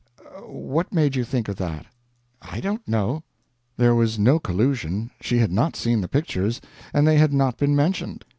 "What made you think of that?" "I don't know." There was no collusion. She had not seen the pictures, and they had not been mentioned.